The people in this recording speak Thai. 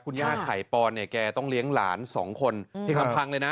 คุณย่าไข่ปอนเนี่ยแกต้องเลี้ยงหลานสองคนที่คำพังเลยนะ